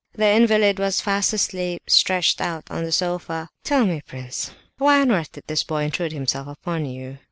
The invalid was fast asleep, stretched out on the sofa. "Tell me, prince, why on earth did this boy intrude himself upon you?"